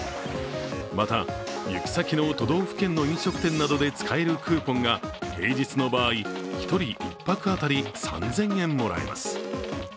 また、行き先の都道府県の飲食店などで使えるクーポンが平日の場合１人１泊当たり３０００円もらえます。